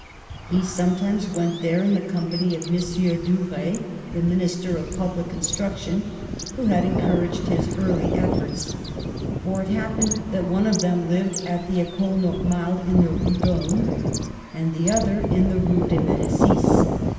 He sometimes went there in the company of M. Duruy, the Minis ter of Public Instruction, who had encouraged his early efforts, for it happened that one of them lived at the Ecole Normale, in the Rue d'Ulm^ and the other in the Rue de Medicis.